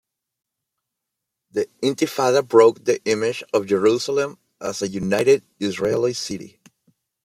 The Intifada broke the image of Jerusalem as a united Israeli city.